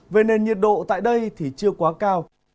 về nền nhiệt độ tại đây thì chưa quá cao